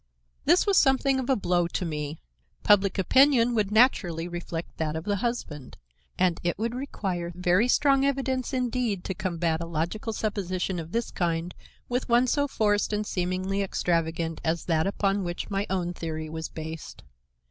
This was something of a blow to me. Public opinion would naturally reflect that of the husband, and it would require very strong evidence indeed to combat a logical supposition of this kind with one so forced and seemingly extravagant as that upon which my own theory was based.